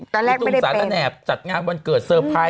ตอนแรกไม่ได้เป็นเฉลี่ยและเนพจัดงานวันเกิด